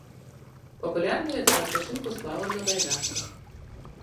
Папулярная для адпачынку сплавам на байдарках.